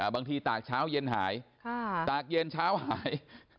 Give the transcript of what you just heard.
บางทีตากเช้าเย็นหายตากเย็นเช้าหาย